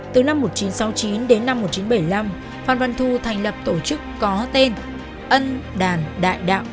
từ năm một nghìn chín trăm sáu mươi chín đến năm một nghìn chín trăm bảy mươi năm phan văn thu thành lập tổ chức có tên ân đàn đại đạo